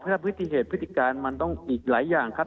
เพราะว่าพฤติเหตุพฤติการมันอีกหลายอย่างครับ